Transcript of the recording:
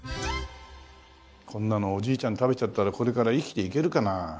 こんなのおじいちゃん食べちゃったらこれから生きていけるかなあ。